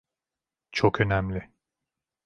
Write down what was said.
Çok önemli.